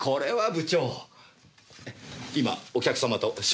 部長？